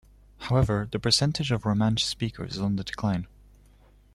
However, the percentage of Romansh-speakers is on the decline.